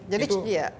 jadi itu ya